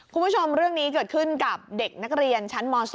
คุณผู้ชมเรื่องนี้เกิดขึ้นกับเด็กนักเรียนชั้นม๒